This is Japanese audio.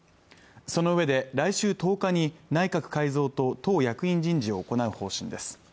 そのうえで来週１０日に内閣改造と党役員人事を行う方針です